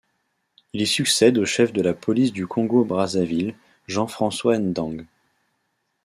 Il y succède au chef de la police du Congo-Brazzaville, Jean-François Ndengue.